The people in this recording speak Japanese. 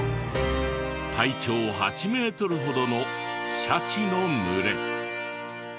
体長８メートルほどのシャチの群れ。